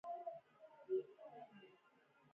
ایا ستاسو میاشت ګټوره نه وه؟